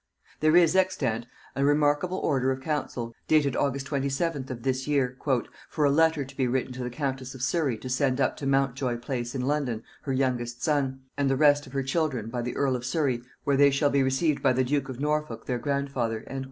There is extant a remarkable order of council, dated August 27th of this year, "for a letter to be written to the countess of Surry to send up to Mountjoy Place in London her youngest son, and the rest of her children, by the earl of Surry, where they shall be received by the duke of Norfolk their grandfather."